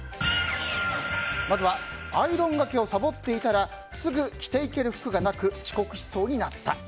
まずはアイロンがけをサボっていたらすぐ着ていける服がなく遅刻しそうになった。